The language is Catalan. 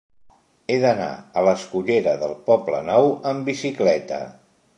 He d'anar a la escullera del Poblenou amb bicicleta.